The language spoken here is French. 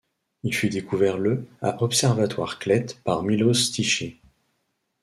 Il fut découvert le à observatoire Kleť par Miloš Tichý.